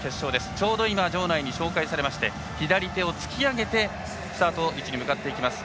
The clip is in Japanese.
ちょうど場内に紹介されまして左手を突き上げてスタート位置に向かっていきます。